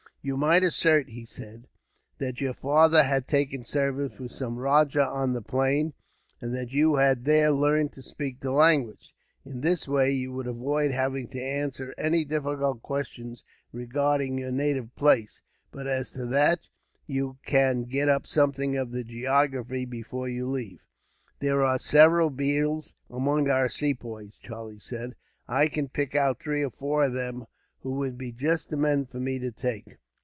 "You might assert," he said, "that your father had taken service with some rajah on the plain, and that you had there learned to speak the language. In this way, you would avoid having to answer any difficult questions regarding your native place; but as to that, you can get up something of the geography before you leave." "There are several Bheels among our Sepoys," Charlie said. "I can pick out three or four of them, who would be just the men for me to take.